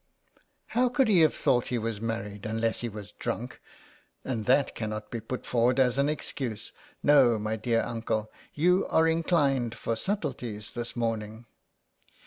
'*How could he have thought he was married unless he was drunk, and that cannot be put forward as an excuse. No, my dear uncle, you are inclined for subtleties this morning."